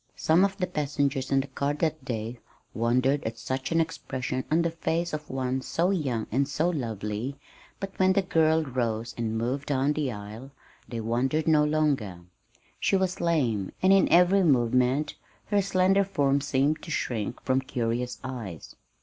Some of the passengers in the car that day wondered at such an expression on the face of one so young and so lovely, but when the girl rose and moved down the aisle, they wondered no longer. She was lame, and in every movement her slender form seemed to shrink from curious eyes.